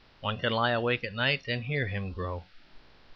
One can lie awake at night and hear him grow.